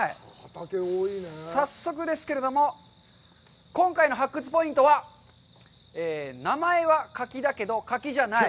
早速ですけれども、今回の発掘ポイントは「名前は柿だけど柿じゃない！